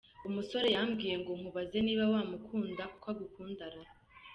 Umusore : Yambwiye ngo nkubaze niba wamukunda kuko agukunda ra !.